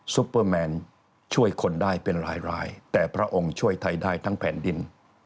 ซุปเปอร์แมนช่วยคนได้เป็นรายแต่พระองค์ช่วยไทยได้ทั้งแผ่นดิน